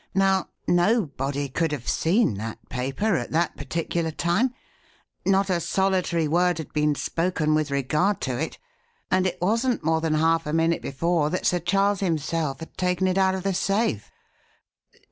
Now, nobody could have seen that paper, at that particular time; not a solitary word had been spoken with regard to it, and it wasn't more than half a minute before that Sir Charles himself had taken it out of the safe.